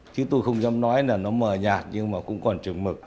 chứ tôi không dám nói là nó mờ nhạt nhưng mà cũng còn trừng mực